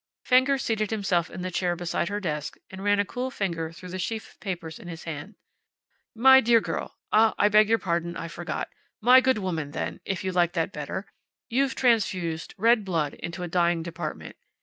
Fenger seated himself in the chair beside her desk and ran a cool finger through the sheaf of papers in his hand. "My dear girl I beg your pardon. I forgot. My good woman then if you like that better you've transfused red blood into a dying department.